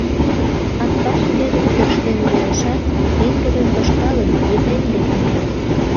Атбаш Вӧдыр тӧрштен волышат, пеҥгыдын тошкалын, Епрем дек мия.